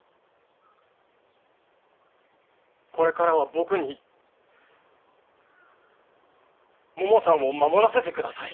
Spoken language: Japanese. これからは僕にももさんを守らせて下さい。